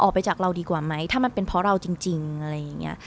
ออกไปจากเราดีกว่าไหมถ้ามันเป็นเพราะเราจริงอะไรอย่างนี้